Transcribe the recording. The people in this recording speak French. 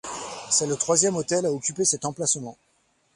C'est le troisième hôtel à occuper cet emplacement.